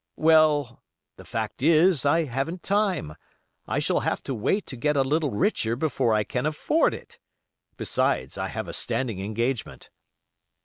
"Well, the fact is, I haven't time. I shall have to wait to get a little richer before I can afford it. Besides I have a standing engagement."